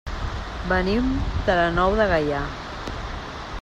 Venim de la Nou de Gaià.